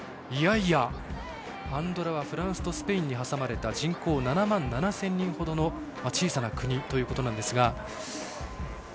アンドラはフランスとスペインに挟まれた人口７万７０００人ほどの小さな国ということですが。